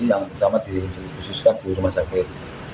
yang terutama di rumah sakit